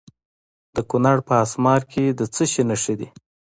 د کونړ په اسمار کې د څه شي نښې دي؟